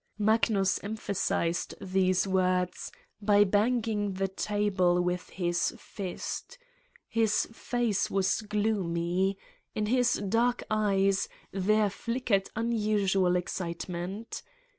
Magnus emphasized these words by banging the table with his fist. His face was gloomy. In his dark eyes there flickered unusual excitement.